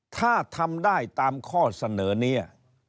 ถ้าทำได้ตามข้อเสนอนี้